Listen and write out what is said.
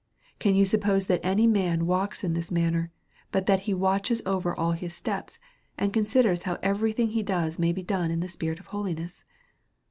Can you suppose that any man walks in this manner, but he that watches over all his steps, and considers how every thing he does may be done in the spirit of holiness?